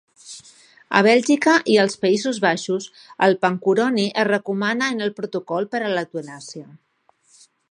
A Bèlgica i els Països Baixos, el pancuroni es recomana en el protocol per a l'eutanàsia.